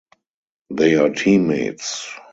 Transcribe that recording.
They are teammates.